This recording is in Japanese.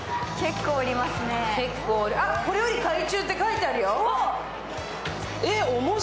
「これより海中」って書いてあるよ。